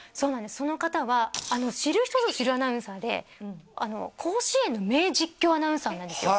その方は知る人ぞ知るアナウンサーで甲子園の名実況アナウンサーなんですよ